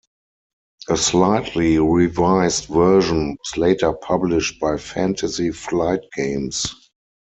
A slightly revised version was later published by Fantasy Flight Games.